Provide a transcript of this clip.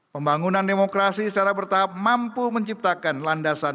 pembangunan demokrasi secara bertahap mampu menciptakan landasan